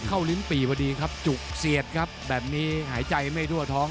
ลิ้นปี่พอดีครับจุกเสียดครับแบบนี้หายใจไม่ทั่วท้อง